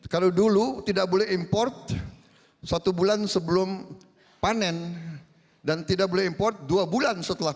kalau dulu tidak boleh import satu bulan sebelum panen dan tidak boleh import dua bulan setelah